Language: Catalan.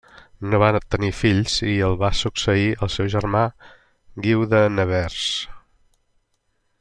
No va tenir fills i el va succeir el seu germà Guiu de Nevers.